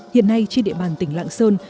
hiện nay trên địa bàn tỉnh lạng sơn